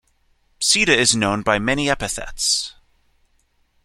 Sita is known by many epithets.